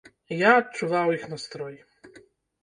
Я адчуваў іх настрой.